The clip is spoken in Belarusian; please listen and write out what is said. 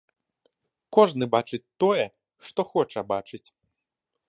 Кожны бачыць тое, што хоча бачыць.